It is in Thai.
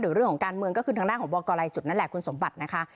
เรื่องของการเมืองก็คือทางด้านของบอกกรัยจุดนั่นแหละคุณสมบัตินะคะ